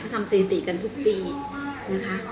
ทำสถิติกันทุกปีนะคะ